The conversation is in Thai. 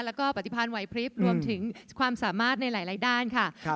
แล้วก็ปฏิพันธ์ไหวพริบรวมถึงความสามารถในหลายด้านค่ะ